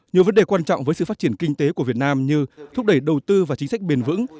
nhiều vấn đề quan trọng với sự phát triển kinh tế của việt nam như thúc đẩy đầu tư và chính sách bền vững